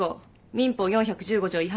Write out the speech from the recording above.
民法４１５条違反。